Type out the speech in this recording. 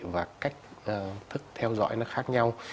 và cách thức theo dõi nó khác nhau